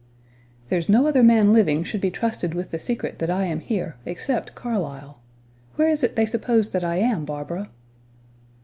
"There's no other man living should be trusted with the secret that I am here, except Carlyle. Where is it they suppose that I am, Barbara?"